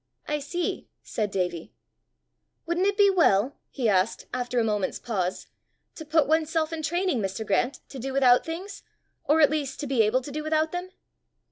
"I see!" said Davie. "Wouldn't it be well," he asked, after a moment's pause, "to put one's self in training, Mr. Grant, to do without things or at least to be able to do without them?"